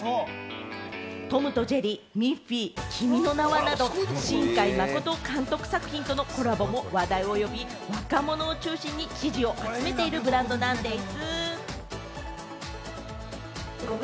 『トムとジェリー』、ミッフィー、『君の名は。』などの新海誠監督作品とのコラボも話題を呼び、若者を中心に支持を集めているブランドなんでぃす。